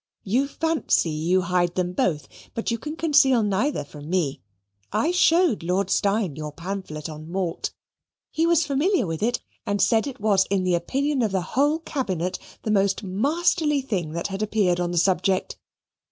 You fancy you hide them both, but you can conceal neither from me. I showed Lord Steyne your pamphlet on malt. He was familiar with it, and said it was in the opinion of the whole Cabinet the most masterly thing that had appeared on the subject.